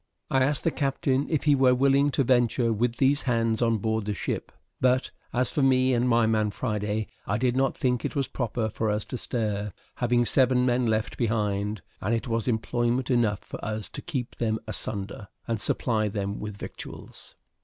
I asked the captain if he were willing to venture with these hands on board the ship; but as for me and my man Friday, I did not think it was proper for us to stir, having seven men left behind; and it was employment enough for us to keep them asunder, and supply them with victuals.